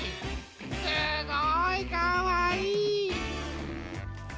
すごいかわいい！